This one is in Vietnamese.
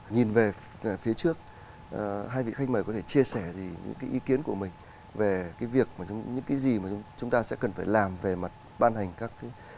nhìn về phía trước hai vị khách mời có thể chia sẻ gì những cái ý kiến của mình về cái việc mà những cái gì mà chúng ta sẽ cần phải làm về mặt ban hành các cái